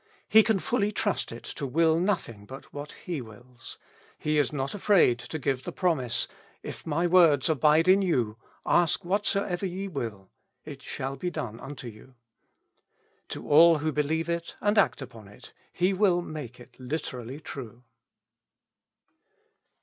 He can fully trust it to will nothing but what He wills ; He is not afraid to give the promise, " If my words abide in you, ask whatsoever ye will, it shall be done unto you." To all who believe it, and act upon it, He will make it literally true.